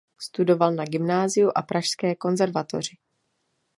Studoval na gymnáziu a Pražské konzervatoři.